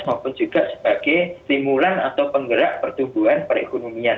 maupun juga sebagai stimulan atau penggerak pertumbuhan perekonomian